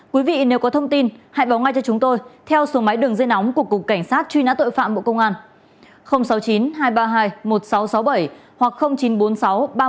quý vị nếu có thông tin hãy báo ngay cho chúng tôi theo số máy đường dây nóng của cục cảnh sát truy nã tội phạm bộ công an